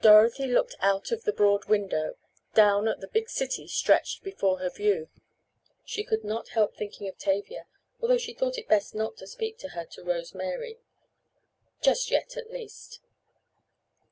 Dorothy looked out of the broad window, down at the big city stretched before her view. She could not help thinking of Tavia, although she thought it best not to speak of her to Rose Mary—just yet at least.